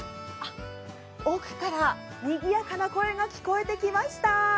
奥からにぎやかな声が聞こえてきました。